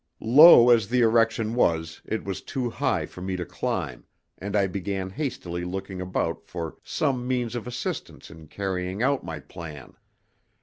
Low as the erection was it was too high for me to climb, and I began hastily looking about for some means of assistance in carrying out my plan.